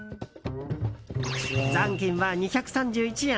残金は２３１円。